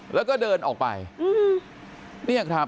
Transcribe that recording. แล้วก็เดินออกไป